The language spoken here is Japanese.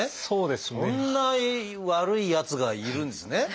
そんな悪いやつがいるんですね。